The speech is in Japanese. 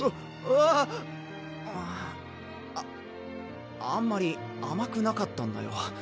わっわっああんまりあまくなかったんだよ